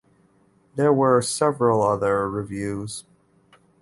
There were several other reviews.